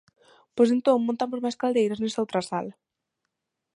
Pois entón montamos máis cadeiras nesa outra sala.